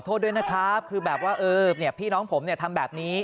ขอโทษด้วยนะครับคือแบบว่าเออพี่น้องผมทำแบบนี้